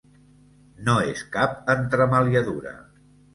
No és cap entremaliadura.